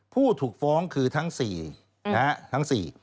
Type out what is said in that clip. ผู้ถูกฟ้องคือทั้ง๔